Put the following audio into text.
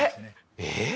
えっ？